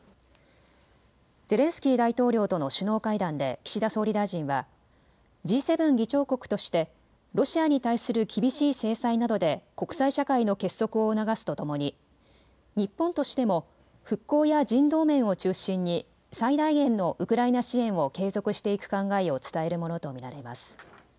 ゼレンスキー大統領との首脳会談で岸田総理大臣はＧ７議長国としてロシアに対する厳しい制裁などで国際社会の結束を促すとともに日本としても復興や人道面を中心に最大限のウクライナ支援を継続していく考えを伝えるものと見られます。